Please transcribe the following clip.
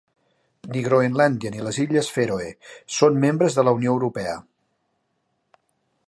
Ni Groenlàndia ni les Illes Fèroe són membres de la Unió Europea.